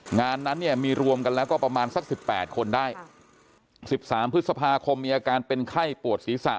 งานนั้นเนี่ยมีรวมกันแล้วก็ประมาณสักสิบแปดคนได้๑๓พฤษภาคมมีอาการเป็นไข้ปวดศีรษะ